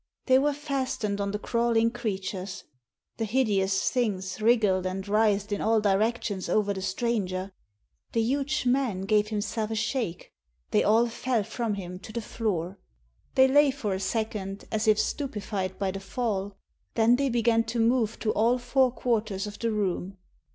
They were fastened on the crawling creatures. The hideous things wriggled and writhed in all direc tions over the stranger. The huge man gave him self a shake. They all fell from him to the floor. They lay for a second as if stupefied by the fall Then they began to move to all four quarters of the room.